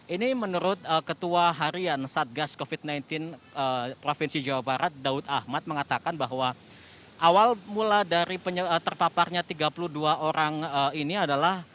ini menurut ketua harian satgas covid sembilan belas provinsi jawa barat daud ahmad mengatakan bahwa awal mula dari terpaparnya tiga puluh dua orang ini adalah